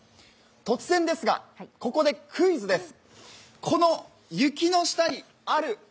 突然ですが、ここでクイズです。